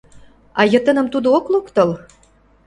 А йытыным тудо ок локтыл?